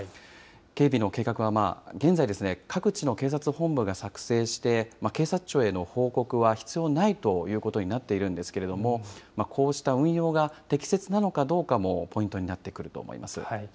警備の計画は現在、各地の警察本部が作成して、警察庁への報告は必要ないということになっているんですけれども、こうした運用が適切なのかどうかもポイントになってくると思いま